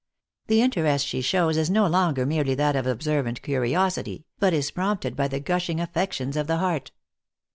The interest she shows is no longer merely that of observant curiosity, but is prompted by the gushing affections of the heart.